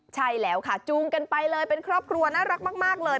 ใช่แล้วค่ะจูงกันไปเลยเป็นครอบครัวน่ารักมากเลย